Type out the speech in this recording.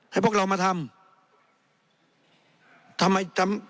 ให้พวกเรามาทำทำให้ทำ